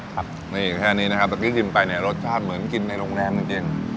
ครับนี่แค่นี้นะครับสักทีกินไปในรสชาติเหมือนกินในโรงแรมจริงจริง